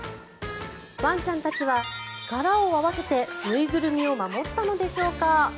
ワンちゃんたちは力を合わせて縫いぐるみを守ったのでしょうか。